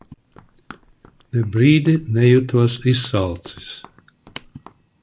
Ne brīdi nejūtos izsalcis.